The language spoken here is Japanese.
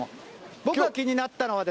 僕が気になったのは。